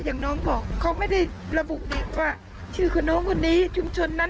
อย่างน้องบอกเขาไม่ได้ระบุเด็กว่าชื่อคนน้องคนนี้ชุมชนนั้น